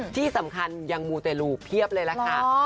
ที่สำคัญยังมูแต่ลูเพียบเลยแหละค่ะหรอ